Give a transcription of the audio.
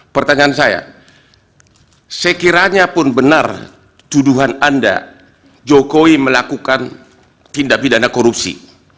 pertanyaan saya sekiranya pun benar tuduhan anda jokowi melakukan tindak pidana korupsi